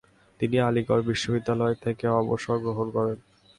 তিনি আলীগড় বিশ্ববিদ্যালয় থেকে অবসর গ্রহণ করেন।